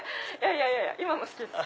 いやいや今も好きです。